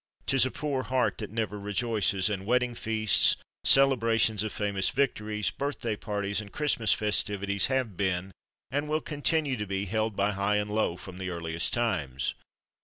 'Tis a poor heart that never rejoices; and wedding feasts, celebrations of famous victories, birthday parties, and Christmas festivities have been, and will continue to be, held by high and low, from the earliest times.